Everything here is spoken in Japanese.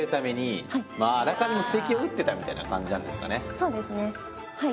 そうですねはい。